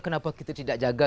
kenapa kita tidak jaga